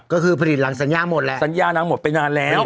ก็คือผลิตหลังสัญญาหมดแล้วสัญญานางหมดไปนานแล้ว